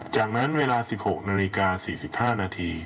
จากนั้นเวลา๑๖นาฬิกา๔๕นาที